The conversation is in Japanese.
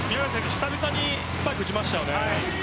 久々にスパイク打ちました。